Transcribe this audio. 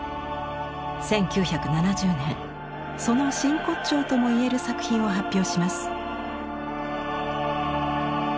１９７０年その真骨頂ともいえる作品を発表します。